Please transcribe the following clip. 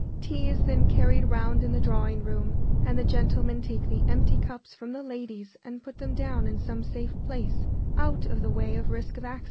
Tea is then carried round in the drawing room, and the gentlemen take the empty cups from the ladies and put them down in some safe place, out of the way of risk of accident.